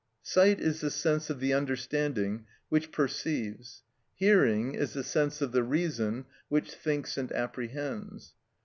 Sight is the sense of the understanding which perceives; hearing is the sense of the reason which thinks and apprehends.